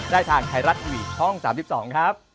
ได้ทางไทยรัฐทีวีช่อง๓๒ครับ